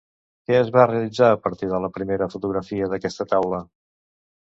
Què es va realitzar a partir de la primera fotografia d'aquesta taula?